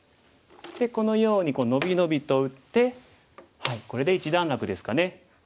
でこのように伸び伸びと打ってこれで一段落ですかね。